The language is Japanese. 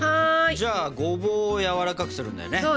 じゃあごぼうをやわらかくするんだよね？